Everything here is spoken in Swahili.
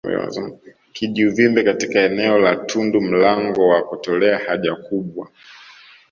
Kijiuvimbe katika eneo la tundu mlango wa kutolea haja kubwa